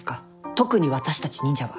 特に私たち忍者は。